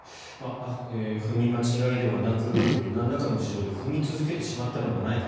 踏み間違えではなくなんらかの事情で踏み続けてしまったのではないか